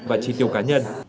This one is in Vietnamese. và chi tiêu cá nhân